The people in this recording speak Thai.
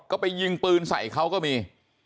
ก็ไปยิงปืนใส่เขาก็มี